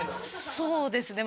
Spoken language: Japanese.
そうですね。